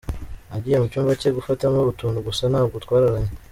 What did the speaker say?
Nagiye mu cyumba cye gufatamo utuntu gusa ntabwo twararanye.